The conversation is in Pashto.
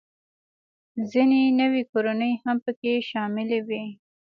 ځینې نوې کورنۍ هم پکې شاملې وې